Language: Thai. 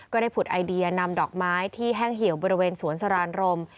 ได้ผุดไอเดียนำดอกไม้ที่แห้งเหี่ยวบริเวณสวนสรานรม